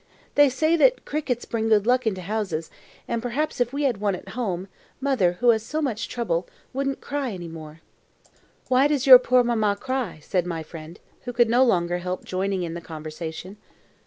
"They say that crickets bring good luck into houses; and perhaps if we had one at home, mother, who has so much trouble, wouldn't cry any more." "Why does your poor mamma cry?" said my friend, who could no longer help joining in the conversation.